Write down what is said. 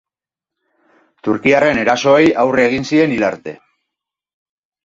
Turkiarren erasoei aurre egin zien hil arte.